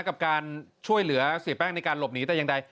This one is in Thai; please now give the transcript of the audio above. กับการช่วยเหลือเสียแป้งในการหลบหนีแต่อย่างใด